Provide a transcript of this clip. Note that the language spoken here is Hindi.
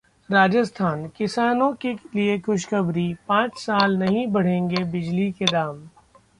राजस्थान: किसानों के लिए खुशखबरी, पांच साल नहीं बढ़ेंगे बिजली के दाम